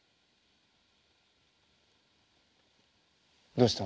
どうした？